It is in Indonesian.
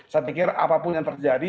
saya pikir apapun yang terjadi